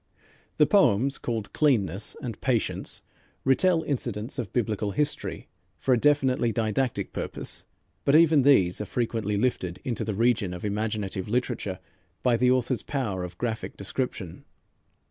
The poems called "Cleanness" and "Patience," retell incidents of biblical history for a definitely didactic purpose, but even these are frequently lifted into the region of imaginative literature by the author's power of graphic description.